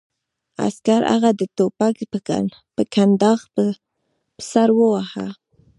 عسکر هغه د ټوپک په کنداغ په سر وواهه